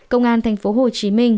công an tp hcm